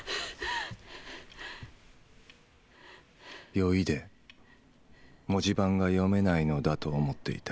酔いで文字盤が読めないのだと思っていた